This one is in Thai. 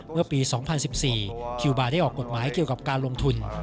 เมื่อปี๒๐๑๔คิวบาร์ได้ออกกฎหมายเกี่ยวกับการลงทุน